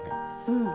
うん。